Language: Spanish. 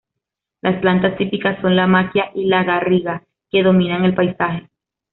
Las plantas típicas son la maquia y la garriga, que dominan el paisaje.